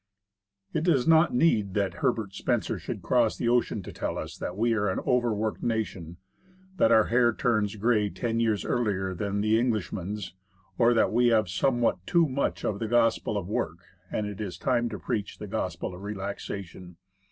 IT DOES not need that Herbert Spencer should cross the ocean to tell us that we are an over worked nation; that our hair turns gray ten years earlier than the Englishman's; or, "that we have had somewhat too much of the gospel of work," and, "it is time to preach the gospel of relaxation."